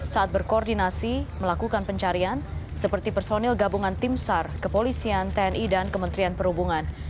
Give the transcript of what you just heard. saat berkoordinasi melakukan pencarian seperti personil gabungan tim sar kepolisian tni dan kementerian perhubungan